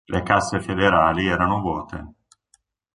Le casse federali erano vuote.